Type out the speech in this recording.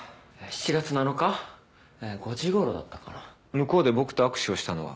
向こうで僕と握手をしたのは？